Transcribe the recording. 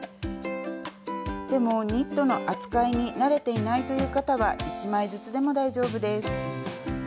でもニットの扱いに慣れていないという方は１枚ずつでも大丈夫です。